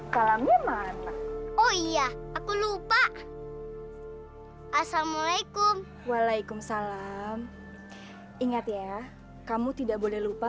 salamnya mana oh iya aku lupa assalamualaikum waalaikumsalam ingat ya kamu tidak boleh lupa